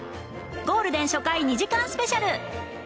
ゴールデン初回２時間スペシャル